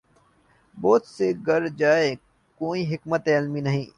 بوجھ سے گر جائے کوئی حکمت عملی نہیں